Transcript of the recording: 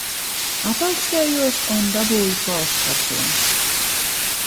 Apaukstējos un dabūju plaušu karsoni